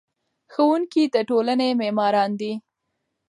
ښوونکي د ټولنې معماران دي.